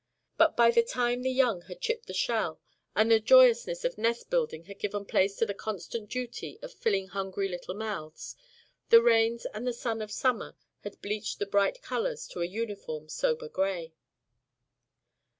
But by the time the young had chipped the shell, and the joyousness of nest building had given place to the constant duties of filling hungry little mouths, the rains and the sun of summer had bleached the bright colors to a uniform sober gray.